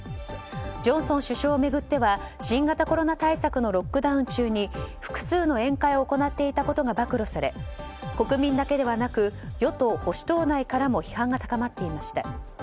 ジョンソン首相を巡っては新型コロナ対策のロックダウン中に複数の宴会を行っていたことが暴露され国民だけではなく与党・保守党内からも批判が高まっていました。